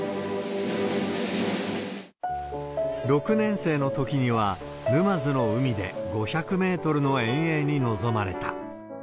６年生のときには、沼津の海で５００メートルの遠泳に臨まれた。